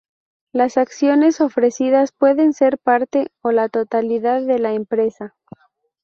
Las acciones ofrecidas pueden ser parte o la totalidad de la empresa.